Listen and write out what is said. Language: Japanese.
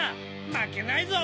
まけないぞ！